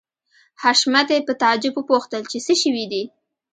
حشمتي په تعجب وپوښتل چې څه شوي دي